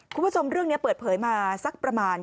คุณผู้ชมเรื่องนี้เปิดเผยมาสักประมาณ